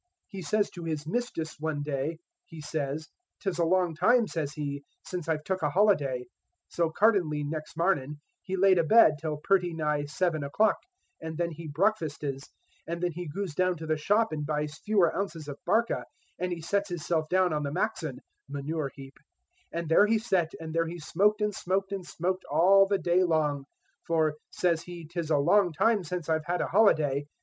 He says to he's mistus one day, he says, 'tis a long time, says he, sence I've took a holiday so cardenly, nex marnin' he laid abed till purty nigh seven o'clock, and then he brackfustes, and then he goos down to the shop and buys fower ounces of barca, and he sets hisself down on the maxon [manure heap], and there he set, and there he smoked and smoked and smoked all the whole day long, for, says he 'tis a long time sence I've had a holiday!